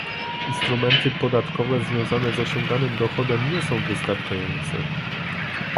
Instrumenty podatkowe związane z osiąganym dochodem nie są wystarczające